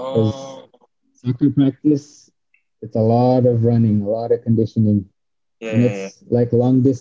karena praktek sepak bola itu banyak berjalan banyak pengendalian